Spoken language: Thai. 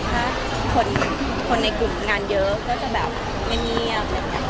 ถ้าคนในกลุ่มงานเยอะก็จะแบบไม่เมียว